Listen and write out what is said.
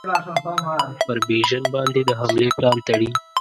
پر بیژن باندي د حملې پلان تړي.